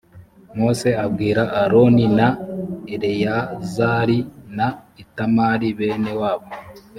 mose abwira aroni na eleyazari na itamari bene wabo